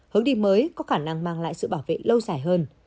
hướng đi mới có khả năng mang lại sự bảo vệ lâu dài hơn